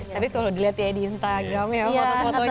tapi kalau dilihat ya di instagram ya foto fotonya